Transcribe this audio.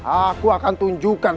aku akan tunjukkan